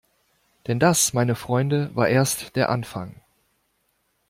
Denn das, meine Freunde, war erst der Anfang!